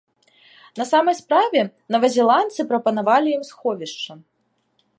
На самай справе, новазеландцы прапанавалі ім сховішча.